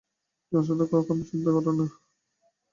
জনসাধারণ কখনও চিন্তা করে না।